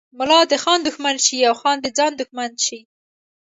ملا د خان دښمن شي او خان د ځان دښمن شي.